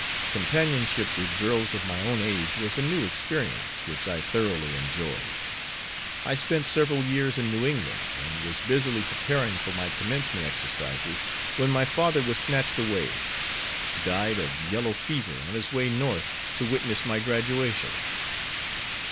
Companionship with girls of my own age was a new experience, which I thoroughly enjoyed. I spent several years in New England, and was busily preparing for my commencement exercises when my father was snatched away died of yellow fever on his way North to witness my graduation.